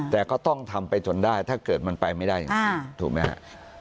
แต่ก็ต้องทำไปจนได้ถ้าเกิดมันไปไม่ได้จริงถูกไหมครับ